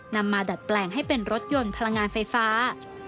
มาดัดแปลงให้เป็นรถยนต์พลังงานไฟฟ้า